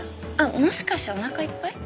もしかしてお腹いっぱい？